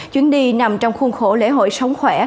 chuyến đi nằm trong khuôn khổ lễ hội sống khỏe